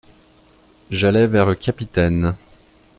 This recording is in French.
J'allai vers le capitaine.